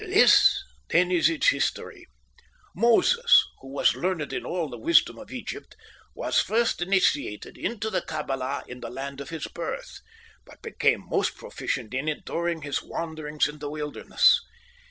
"This, then, is its history. Moses, who was learned in all the wisdom of Egypt, was first initiated into the Kabbalah in the land of his birth; but became most proficient in it during his wanderings in the wilderness.